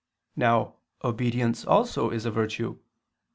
Now obedience also is a virtue.